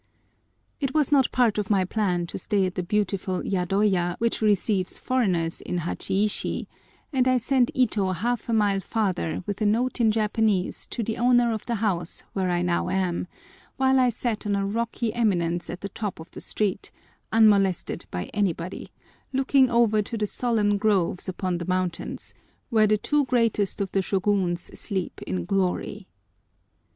It was not part of my plan to stay at the beautiful yadoya which receives foreigners in Hachiishi, and I sent Ito half a mile farther with a note in Japanese to the owner of the house where I now am, while I sat on a rocky eminence at the top of the street, unmolested by anybody, looking over to the solemn groves upon the mountains, where the two greatest of the Shôguns "sleep in glory."